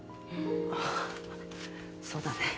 あぁそうだね。